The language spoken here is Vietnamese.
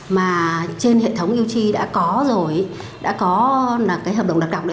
mà trên hệ thống yêu cầu